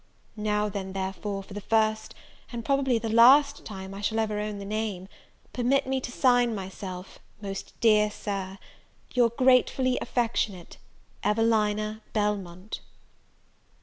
Now then, therefore, for the first and probably the last time I shall ever own the name, permit me to sign myself, Most dear Sir, your gratefully affectionate, EVELINA BELMONT.